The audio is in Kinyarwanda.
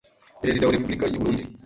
Perezida wa Repubulika y’u Burunndi